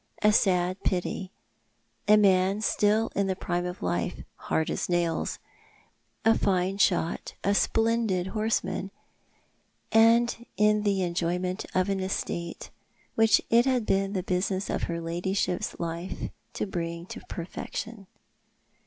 A sad pity — a man still in the prime of life —" hard as nails "— a fine shot, a splendid horse man, and in the enjoyment of an estate which it had been the business of her ladyship's life to bring to perfection.